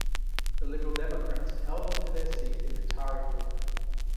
The Liberal Democrats held on to their seat in Tarring Ward.